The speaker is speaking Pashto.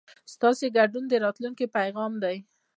ستاسو ګډون د راتلونکي پیغام دی.